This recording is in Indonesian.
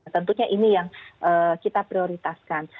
tentunya ini yang kita prioritaskan